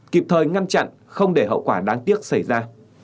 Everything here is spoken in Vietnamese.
kịp thời ngăn chặn không để hậu quả đáng tiếc xảy ra